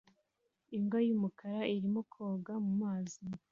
Imbwa y'umukara irimo koga mu mazi